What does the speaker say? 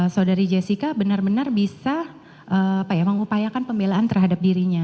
saudari jessica benar benar bisa mengupayakan pembelaan terhadap dirinya